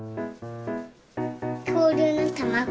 きょうりゅうのたまご。